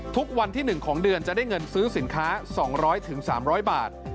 ทุกวันที่๑ของเดือนจะได้เงินซื้อสินค้า๒๐๐๓๐๐บาท